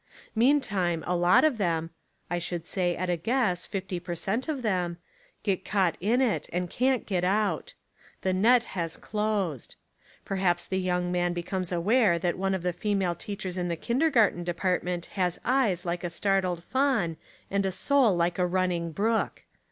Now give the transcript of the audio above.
Meantime a lot of them — I should say, at a guess, fifty per cent, of them — get caught in it and can't get out. The net has closed. Perhaps the young man be comes aware that one of the female teachers in the kindergarten department has eyes like a startled fawn and a soul like a running brook.